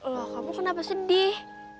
lho kamu kenapa sedih